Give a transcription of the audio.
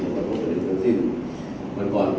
จะเป็นที่มันสิ้นแบบก่อนผม